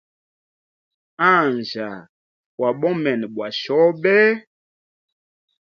Anjya, wa bomene bwa shobe.